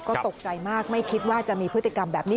ก็ตกใจมากไม่คิดว่าจะมีพฤติกรรมแบบนี้